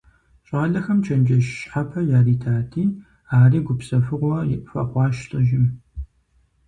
ЩӀалэхэм чэнджэщ щхьэпэ яритати, ари гупсэхугъуэ хуэхъуащ лӀыжьым.